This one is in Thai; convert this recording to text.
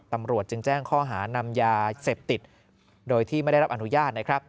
ตำรวจจึงแจ้งข้อหานำยาเสพติดโดยที่ไม่ได้รับอนุญาตนะครับ